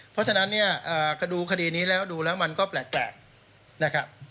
เพราะฉะนั้นดูคดีนี้แล้วมันก็แปลก